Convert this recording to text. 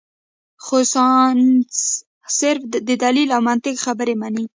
خو سائنس صرف د دليل او منطق خبره مني -